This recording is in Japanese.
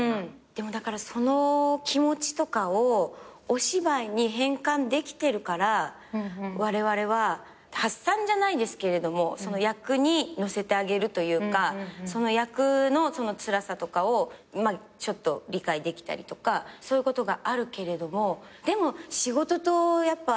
でもだからその気持ちとかをお芝居に変換できてるからわれわれは発散じゃないですけれどもその役にのせてあげるというかその役のつらさとかを理解できたりとかそういうことがあるけれどもでも仕事とやっぱ。